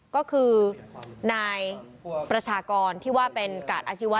ก็คือนายประชากรที่ว่าเป็นกาดอาชีวะ